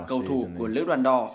cầu thủ của lễ đoàn đỏ